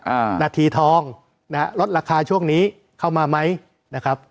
อ่านาทีทองนะฮะลดราคาช่วงนี้เข้ามาไหมนะครับ